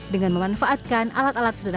dengan memanfaatkan alat alat yang diperlukan